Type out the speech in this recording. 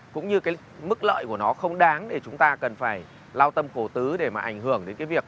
cũng như cái mức lợi của nó không đáng để chúng ta cần phải lao tâm khổ tứ để mà ảnh hưởng đến cái việc